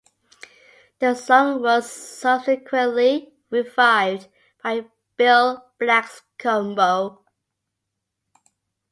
The song was subsequently revived by Bill Black's Combo.